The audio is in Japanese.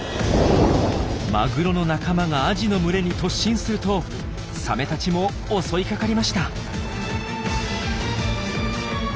マグロの仲間がアジの群れに突進するとサメたちも襲いかかりました。